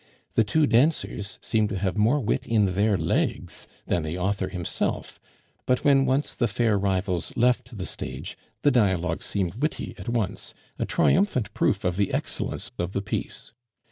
The two dancers seemed to have more wit in their legs than the author himself; but when once the fair rivals left the stage, the dialogue seemed witty at once, a triumphant proof of the excellence of the piece.